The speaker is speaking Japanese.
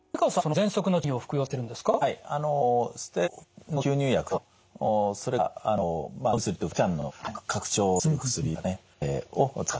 ぜんそくの治療には何を服用されてるんですか？